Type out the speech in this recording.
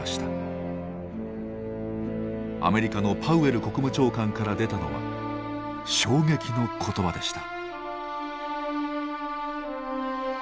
アメリカのパウエル国務長官から出たのは衝撃の言葉でした。